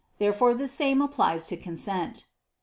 Therefore the same applies to consent.